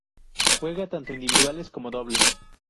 Juega tanto individuales como dobles.